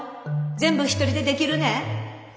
全部１人でできるねぇ？